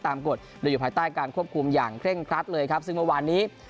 กฎโดยอยู่ภายใต้การควบคุมอย่างเคร่งครัดเลยครับซึ่งเมื่อวานนี้